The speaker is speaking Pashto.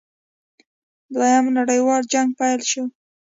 دویم نړیوال جنګ پیل شو.